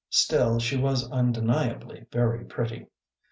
Still, she was undeniably very pretty.